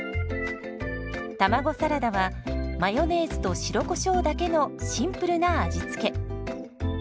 卵サラダはマヨネーズと白コショウだけのシンプルな味付け。